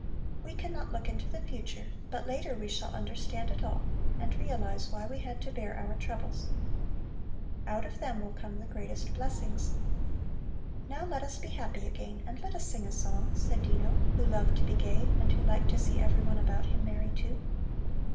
We cannot look into the future, but later we shall understand it all and realize why we had to bear our troubles. Out of them will come the greatest blessings." "Now let us be happy again and let us sing a song," said Dino, who loved to be gay and who liked to see everyone about him merry, too.